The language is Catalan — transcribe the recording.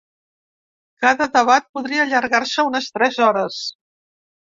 Cada debat podria allargar-se unes tres hores.